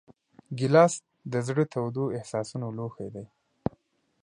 ګیلاس د زړه تودو احساسونو لوښی دی.